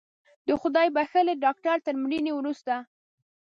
د خدای بښلي ډاکتر تر مړینې وروسته